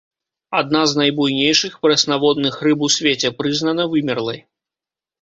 Адна з найбуйнейшых прэснаводных рыб у свеце, прызнана вымерлай.